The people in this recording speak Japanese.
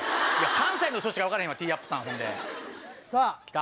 関西の人しか分からへんわティーアップさんほんで。